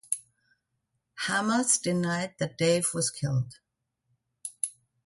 Hamas denied that Deif was killed.